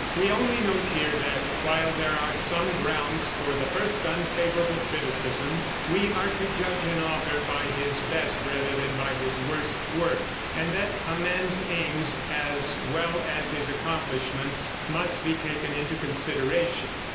We only note here that, while there are some grounds for the first unfavorable criticism, we are to judge an author by his best rather than by his worst work; and that a man's aims as well as his accomplishments must be taken into consideration.